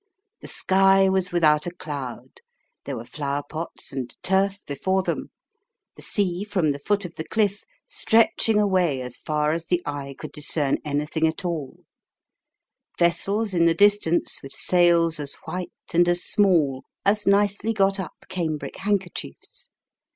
The sky was without a cloud ; there were flower pots and turf before them ; the sea, from the foot of the cliff, stretching away as far as the eye could discern anything at all ; vessels in the distance with sails as white, and as small, as nicely got up cambric handkerchiefs.